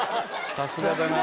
「さすがだな」